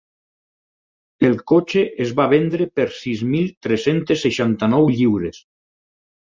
El cotxe es va vendre per sis mil tres-centes seixanta-nou lliures.